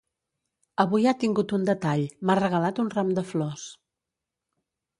Avui ha tingut un detall: m'ha regalat un ram de flors.